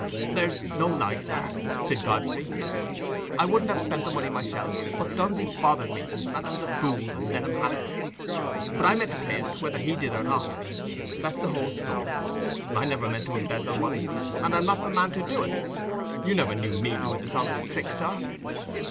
"There's no lie, sir," said Godfrey. "I wouldn't have spent the money myself, but Dunsey bothered me, and I was a fool, and let him have it. But I meant to pay it, whether he did or not. That's the whole story. I never meant to embezzle money, and I'm not the man to do it. You never knew me do a dishonest trick, sir."